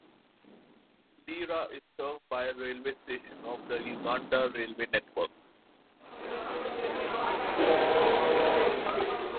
Lira is served by a railway station of the Uganda Railways network.